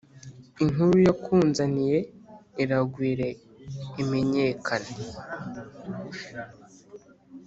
Inkuru yakunzaniye iragwire imenyekane.